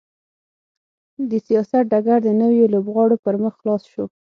د سیاست ډګر د نویو لوبغاړو پر مخ خلاص شو.